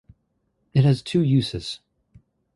It has two uses.